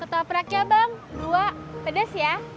ketopraknya bang dua pedes ya